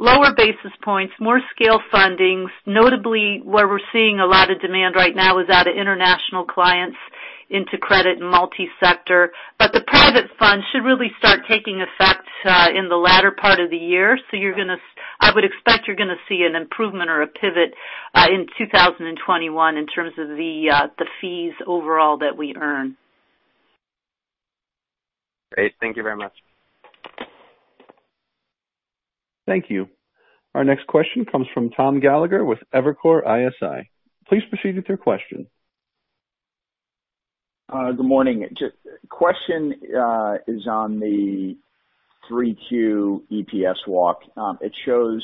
lower basis points, more scale fundings. Notably, where we're seeing a lot of demand right now is out of international clients into credit and multi-sector. The private fund should really start taking effect in the latter part of the year. I would expect you're going to see an improvement or a pivot in 2021 in terms of the fees overall that we earn. Great. Thank you very much. Thank you. Our next question comes from Thomas Gallagher with Evercore ISI. Please proceed with your question. Good morning. Question is on the 3Q EPS walk. It shows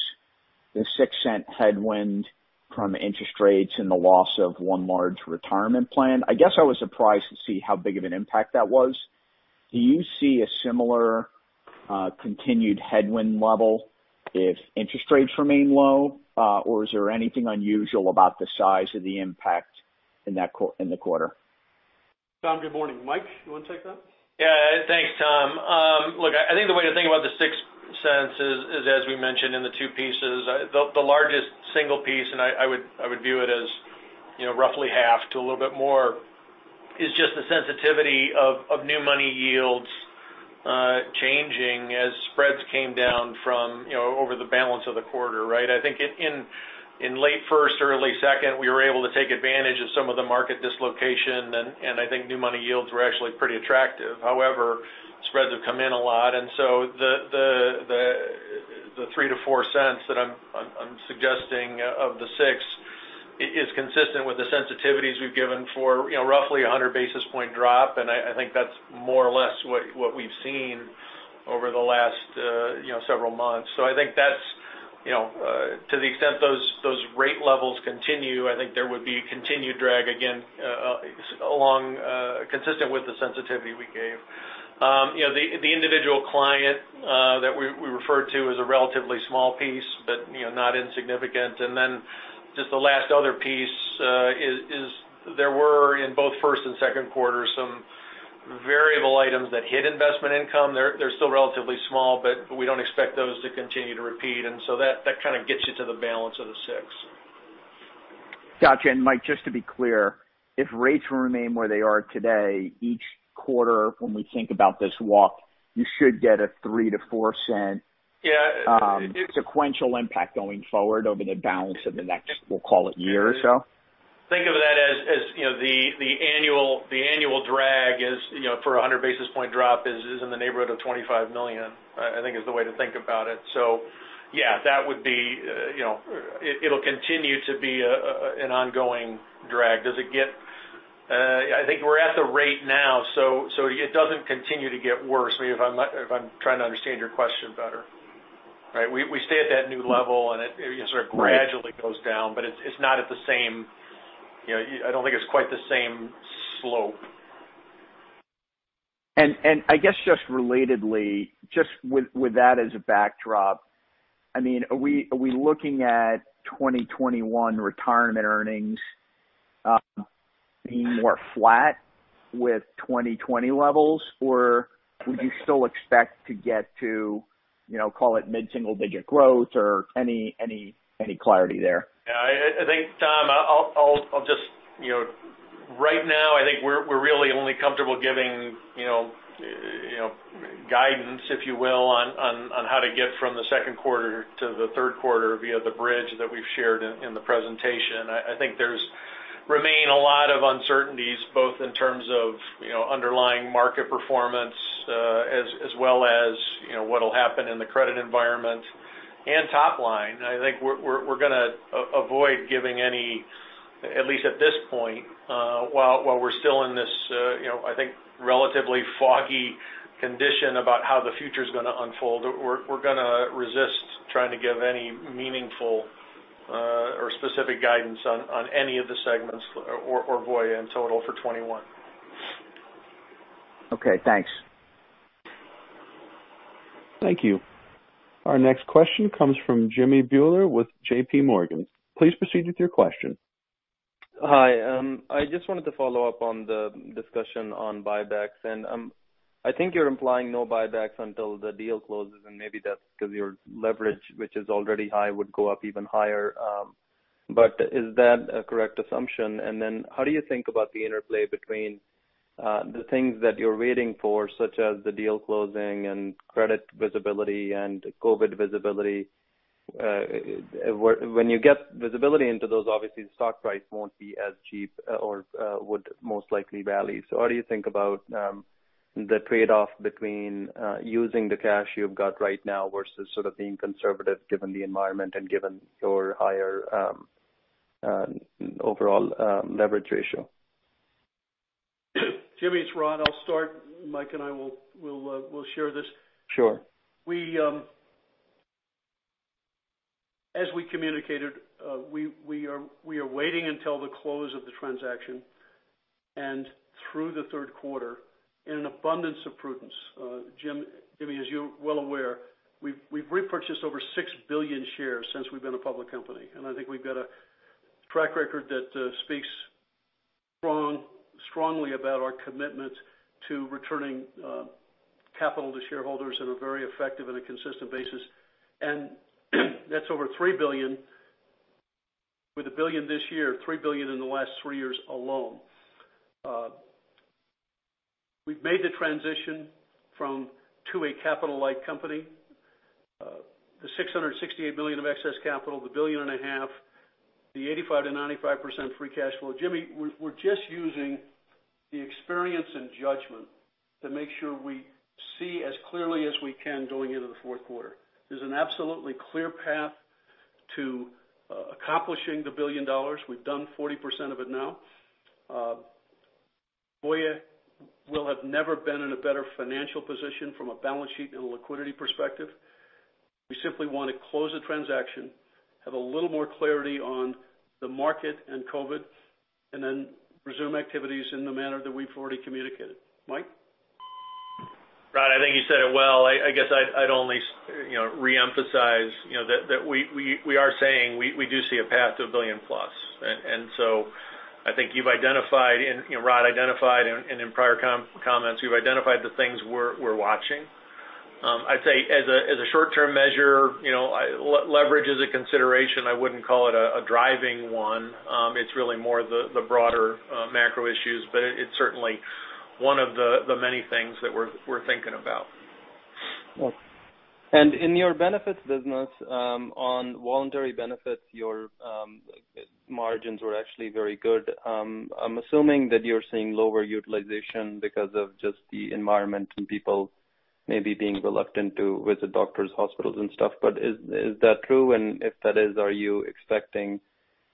the $0.06 headwind from interest rates and the loss of one large Retirement plan. I guess I was surprised to see how big of an impact that was. Do you see a similar continued headwind level if interest rates remain low, or is there anything unusual about the size of the impact in the quarter? Tom, good morning. Mike, you want to take that? Thanks, Tom. Look, I think the way to think about the $0.06 is, as we mentioned in the two pieces. The largest single piece, and I would view it as roughly half to a little bit more, is just the sensitivity of new money yields changing as spreads came down from over the balance of the quarter, right? I think in late first, early second, we were able to take advantage of some of the market dislocation, and I think new money yields were actually pretty attractive. However, spreads have come in a lot, the $0.03-$0.04 that I'm suggesting of the $0.06 is consistent with the sensitivities we've given for roughly 100 basis point drop, and I think that's more or less what we've seen over the last several months. I think to the extent those rate levels continue, I think there would be continued drag again consistent with the sensitivity we gave. The individual client that we referred to is a relatively small piece, but not insignificant. Just the last other piece is there were, in both first and second quarters, some variable items that hit investment income. They're still relatively small, but we don't expect those to continue to repeat, that kind of gets you to the balance of the $0.06. Got you. Mike, just to be clear, if rates remain where they are today, each quarter when we think about this walk, you should get a $0.03-$0.04- Yeah sequential impact going forward over the balance of the next, we'll call it year or so? Think of that as the annual drag for 100 basis point drop is in the neighborhood of $25 million, I think is the way to think about it. Yeah, it'll continue to be an ongoing drag. I think we're at the rate now, so it doesn't continue to get worse, if I'm trying to understand your question better. Right. We stay at that new level, and it sort of gradually goes down, but I don't think it's quite the same slope. I guess just relatedly, just with that as a backdrop, are we looking at 2021 Retirement earnings being more flat with 2020 levels, or would you still expect to get to call it mid-single digit growth or any clarity there? Yeah. I think, Tom, right now, I think we're really only comfortable giving guidance, if you will, on how to get from the second quarter to the third quarter via the bridge that we've shared in the presentation. I think there remain a lot of uncertainties, both in terms of underlying market performance as well as what'll happen in the credit environment and top line. I think we're going to avoid giving any, at least at this point while we're still in this I think relatively foggy condition about how the future's going to unfold. We're going to resist trying to give any meaningful or specific guidance on any of the segments or Voya in total for 2021. Okay, thanks. Thank you. Our next question comes from Jimmy Bhullar with JPMorgan. Please proceed with your question. Hi. I just wanted to follow up on the discussion on buybacks. I think you're implying no buybacks until the deal closes, and maybe that's because your leverage, which is already high, would go up even higher. Is that a correct assumption? How do you think about the interplay between the things that you're waiting for, such as the deal closing and credit visibility and COVID visibility? When you get visibility into those, obviously the stock price won't be as cheap or would most likely rally. How do you think about the trade-off between using the cash you've got right now versus sort of being conservative given the environment and given your higher overall leverage ratio? Jimmy, it's Rod. I'll start. Mike and I will share this. Sure. As we communicated, we are waiting until the close of the transaction and through the third quarter in an abundance of prudence. Jimmy, as you're well aware, we've repurchased over 6 billion shares since we've been a public company, and I think we've got a track record that speaks strongly about our commitment to returning capital to shareholders in a very effective and a consistent basis. That's over $3 billion, with $1 billion this year, $3 billion in the last 3 years alone. We've made the transition to a capital-light company. The $668 million of excess capital, the billion and a half, the 85%-95% free cash flow. Jimmy, we're just using the experience and judgment to make sure we see as clearly as we can going into the fourth quarter. There's an absolutely clear path to accomplishing the $1 billion. We've done 40% of it now. Voya will have never been in a better financial position from a balance sheet and a liquidity perspective. We simply want to close the transaction, have a little more clarity on the market and COVID-19, and then resume activities in the manner that we've already communicated. Mike? Rod, I think you said it well. I guess I'd only reemphasize that we are saying we do see a path to $1 billion plus. I think Rod identified, and in prior comments, you've identified the things we're watching. I'd say as a short-term measure, leverage is a consideration. I wouldn't call it a driving one. It's really more the broader macro issues. It's certainly one of the many things that we're thinking about. Okay. In your Employee Benefits business, on voluntary benefits, your margins were actually very good. I'm assuming that you're seeing lower utilization because of just the environment and people maybe being reluctant to visit doctors, hospitals, and stuff. Is that true? If that is, are you expecting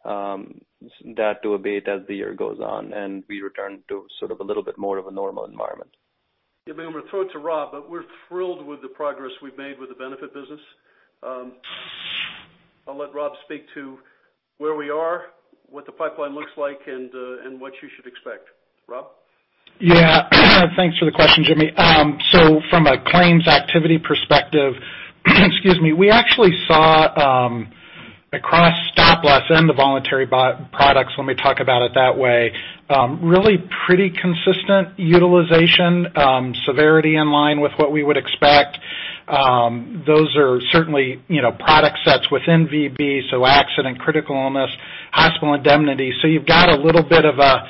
that to abate as the year goes on and we return to sort of a little bit more of a normal environment? I'm going to throw it to Rob. We're thrilled with the progress we've made with the benefit business. I'll let Rob speak to where we are, what the pipeline looks like, and what you should expect. Rob? Thanks for the question, Jimmy. From a claims activity perspective, we actually saw, across stop loss and the voluntary products, let me talk about it that way, really pretty consistent utilization, severity in line with what we would expect. Those are certainly product sets within VB, so accident critical illness, hospital indemnity. You've got a little bit of a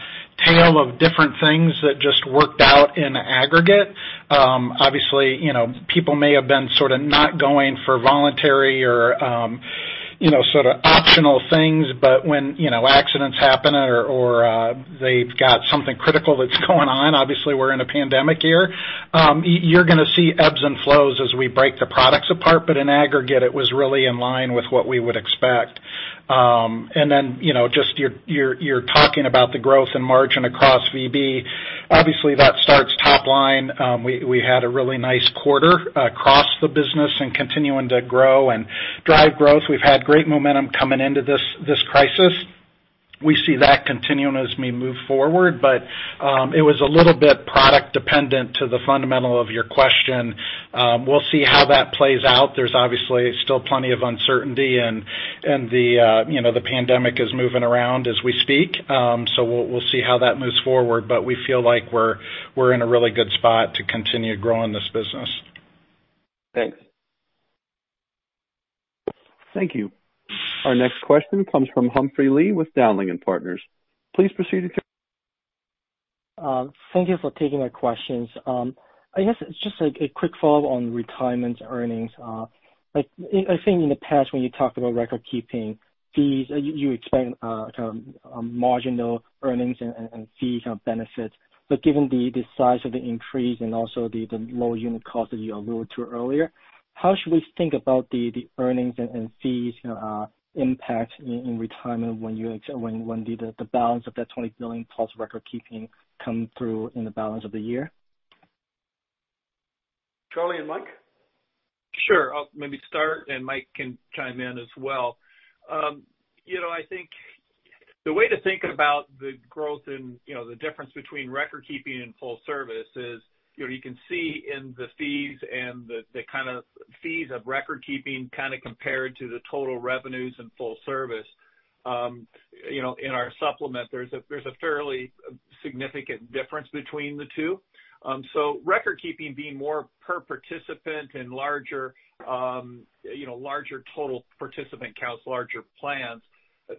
tail of different things that just worked out in aggregate. Obviously, people may have been sort of not going for voluntary or sort of optional things. When accidents happen or they've got something critical that's going on, obviously we're in a pandemic here, you're going to see ebbs and flows as we break the products apart. In aggregate, it was really in line with what we would expect. Just you're talking about the growth in margin across VB. Obviously, that starts top line. We had a really nice quarter across the business and continuing to grow and drive growth. We've had great momentum coming into this crisis. We see that continuing as we move forward. It was a little bit product dependent to the fundamental of your question. We'll see how that plays out. There's obviously still plenty of uncertainty, and the pandemic is moving around as we speak. We'll see how that moves forward. We feel like we're in a really good spot to continue growing this business. Thanks. Thank you. Our next question comes from Humphrey Lee with Dowling & Partners. Please proceed. Thank you for taking my questions. I guess it's just a quick follow on Retirement earnings. I think in the past when you talked about record keeping fees, you explained marginal earnings and fees benefits. Given the size of the increase and also the lower unit cost that you alluded to earlier, how should we think about the earnings and fees impact in Retirement when the balance of that $20 billion+ record keeping come through in the balance of the year? Charlie and Mike? Sure. I'll maybe start, and Mike can chime in as well. I think the way to think about the growth and the difference between record keeping and full service is you can see in the fees and the fees of record keeping compared to the total revenues and full service in our supplement. There's a fairly significant difference between the two. Record keeping being more per participant and larger total participant counts, larger plans.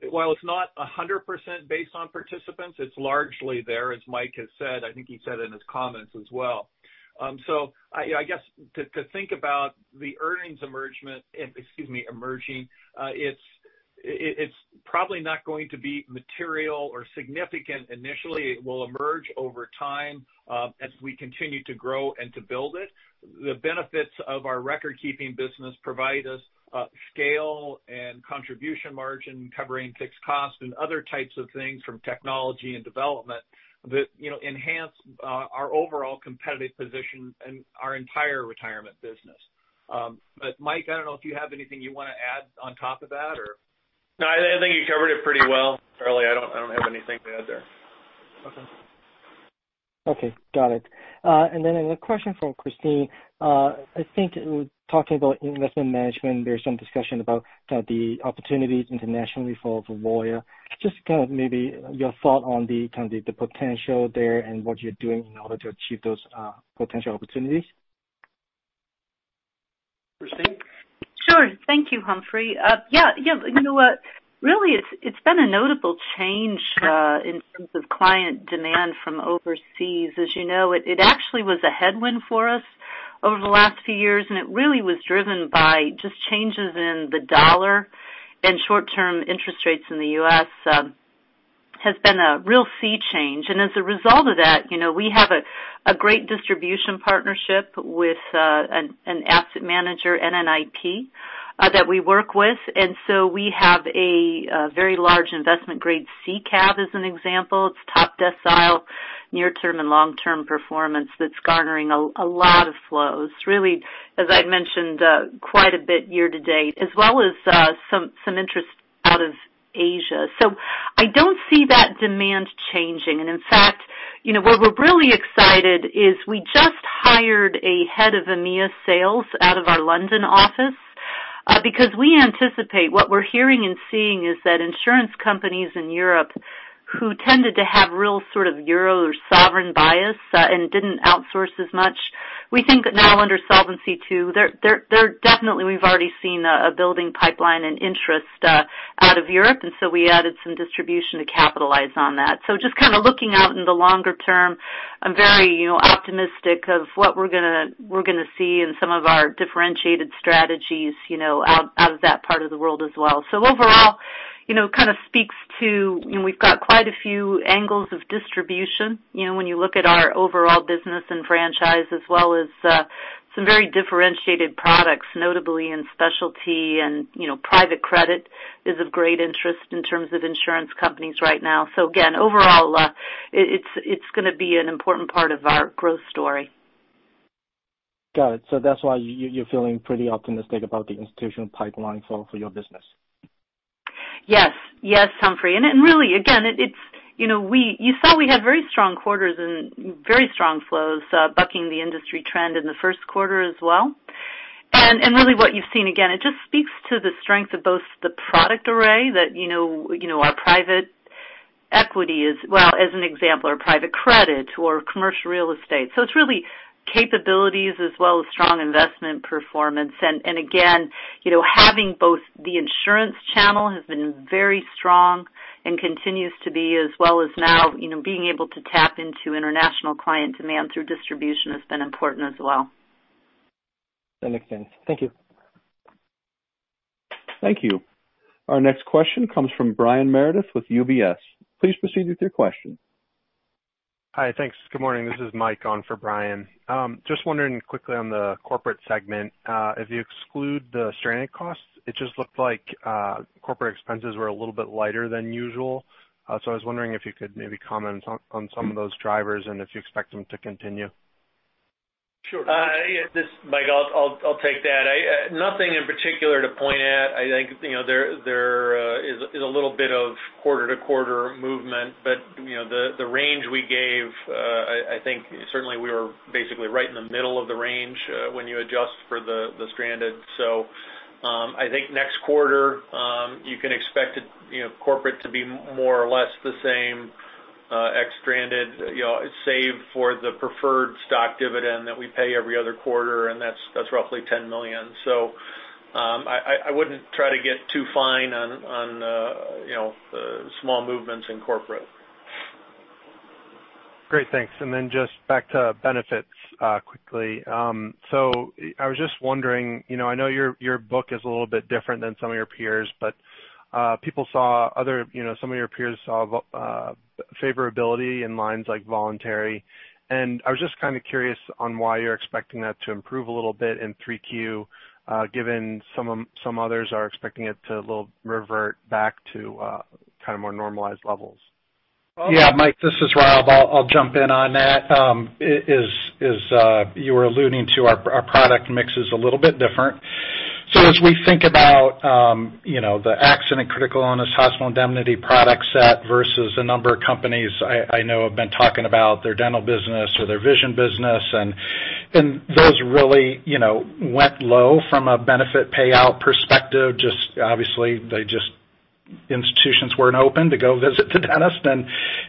While it's not 100% based on participants, it's largely there, as Mike has said. I think he said in his comments as well. I guess to think about the earnings emerging, it's probably not going to be material or significant initially. It will emerge over time as we continue to grow and to build it. The benefits of our record keeping business provide us scale and contribution margin, covering fixed costs and other types of things from technology and development that enhance our overall competitive position in our entire Retirement business. Mike, I don't know if you have anything you want to add on top of that or No, I think you covered it pretty well, Charlie. I don't have anything to add there. Okay. Okay. Got it. Then a question for Christine. I think talking about Investment Management, there's some discussion about the opportunities internationally for Voya. Just kind of maybe your thought on the kind of the potential there and what you're doing in order to achieve those potential opportunities. Christine? Sure. Thank you, Humphrey. Yeah. You know what? Really, it's been a notable change in terms of client demand from overseas. As you know, it actually was a headwind for us over the last few years, and it really was driven by just changes in the dollar and short-term interest rates in the U.S., has been a real sea change. As a result of that, we have a great distribution partnership with an asset manager, NNIP, that we work with. So we have a very large investment grade C-CAP as an example. It's top decile near-term and long-term performance that's garnering a lot of flows, really, as I'd mentioned, quite a bit year to date, as well as some interest out of Asia. I don't see that demand changing. In fact, what we're really excited is we just hired a head of EMEA sales out of our London office, because we anticipate what we're hearing and seeing is that insurance companies in Europe who tended to have real sort of euro or sovereign bias, and didn't outsource as much, we think now under Solvency II, they're definitely, we've already seen a building pipeline and interest out of Europe, so we added some distribution to capitalize on that. Just kind of looking out in the longer term, I'm very optimistic of what we're going to see in some of our differentiated strategies out of that part of the world as well. Overall, kind of speaks to we've got quite a few angles of distribution, when you look at our overall business and franchise, as well as some very differentiated products, notably in specialty and private credit is of great interest in terms of insurance companies right now. Again, overall, it's going to be an important part of our growth story. Got it. That's why you're feeling pretty optimistic about the institutional pipeline for your business. Yes, Humphrey. Really, again, you saw we had very strong quarters and very strong flows, bucking the industry trend in the first quarter as well. Really what you've seen, again, it just speaks to the strength of both the product array that our private equity is, well, as an example, or private credit or commercial real estate. It's really capabilities as well as strong investment performance. Again, having both the insurance channel has been very strong and continues to be as well as now being able to tap into international client demand through distribution has been important as well. That makes sense. Thank you. Thank you. Our next question comes from Brian Meredith with UBS. Please proceed with your question. Hi, thanks. Good morning. This is Mike on for Brian. Just wondering quickly on the Corporate segment, if you exclude the stranded costs, it just looked like corporate expenses were a little bit lighter than usual. I was wondering if you could maybe comment on some of those drivers and if you expect them to continue. Sure. This is Mike, I'll take that. Nothing in particular to point at. I think there is a little bit of quarter-to-quarter movement, but the range we gave, I think certainly we were basically right in the middle of the range, when you adjust for the stranded. I think next quarter, you can expect Corporate to be more or less the same ex-stranded, save for the preferred stock dividend that we pay every other quarter, and that's roughly $10 million. I wouldn't try to get too fine on the small movements in Corporate. Great, thanks. Just back to Employee Benefits, quickly. I was just wondering, I know your book is a little bit different than some of your peers, but some of your peers saw favorability in lines like voluntary, and I was just kind of curious on why you're expecting that to improve a little bit in 3Q, given some others are expecting it to a little revert back to kind of more normalized levels. Yeah, Mike, this is Rob. I'll jump in on that. As you were alluding to, our product mix is a little bit different. As we think about the accident critical illness hospital indemnity product set versus a number of companies I know have been talking about their dental business or their vision business, and those really went low from a benefit payout perspective. Just obviously institutions weren't open to go visit the dentist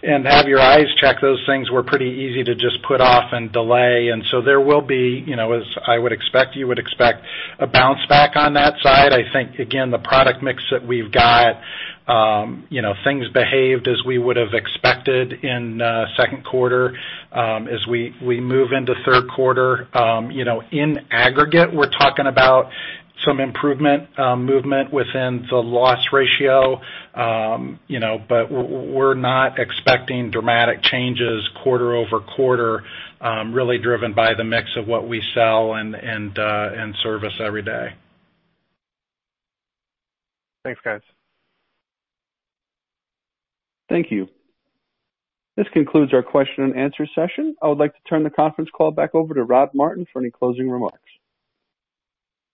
and have your eyes checked. Those things were pretty easy to just put off and delay. There will be, as I would expect you would expect, a bounce back on that side. I think, again, the product mix that we've got, things behaved as we would have expected in second quarter. As we move into third quarter, in aggregate, we're talking about some improvement movement within the loss ratio, we're not expecting dramatic changes quarter-over-quarter, really driven by the mix of what we sell and service every day. Thanks, guys. Thank you. This concludes our question and answer session. I would like to turn the conference call back over to Rod Martin for any closing remarks.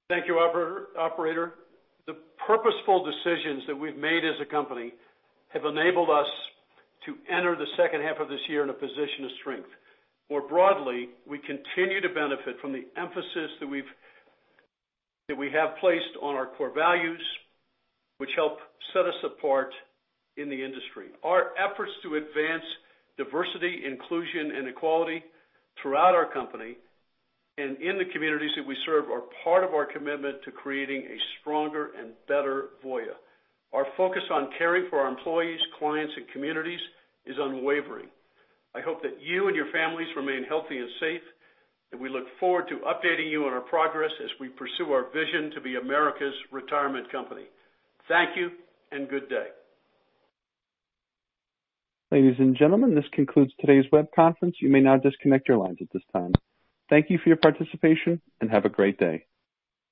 Thank you, operator. The purposeful decisions that we've made as a company have enabled us to enter the second half of this year in a position of strength. More broadly, we continue to benefit from the emphasis that we have placed on our core values, which help set us apart in the industry. Our efforts to advance diversity, inclusion, and equality throughout our company and in the communities that we serve are part of our commitment to creating a stronger and better Voya. Our focus on caring for our employees, clients, and communities is unwavering. I hope that you and your families remain healthy and safe, and we look forward to updating you on our progress as we pursue our vision to be America's Retirement Company. Thank you, and good day. Ladies and gentlemen, this concludes today's web conference. You may now disconnect your lines at this time. Thank you for your participation, and have a great day.